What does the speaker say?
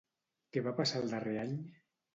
Què va passar el darrer any?